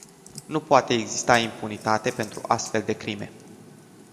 Nu poate exista impunitate pentru astfel de crime.